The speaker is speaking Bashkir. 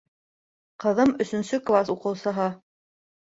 Ҡыҙым өсөнсө класс укыусыһы